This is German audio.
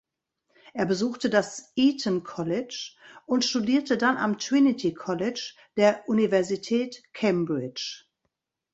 Er besuchte das Eton College und studierte dann am Trinity College der Universität Cambridge.